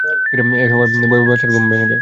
এ সময় ভয়ে বাদশাহর ঘুম ভেঙে যায়।